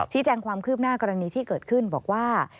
แจ้งความคืบหน้ากรณีที่เกิดขึ้นบอกว่า